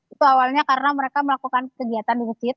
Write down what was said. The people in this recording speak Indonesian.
itu awalnya karena mereka melakukan kegiatan di bukit